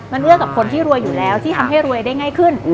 มันเอื้อกับคนที่รวยอยู่แล้วที่ทำให้รวยได้ง่ายขึ้น